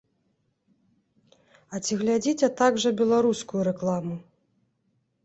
А ці глядзіце так жа беларускую рэкламу?